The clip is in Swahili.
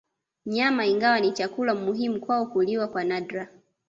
Nyama ingawa ni chakula muhimu kwao huliwa kwa nadra